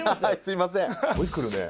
すごい来るね。